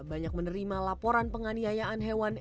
banyak menerima laporan penganiayaan hewan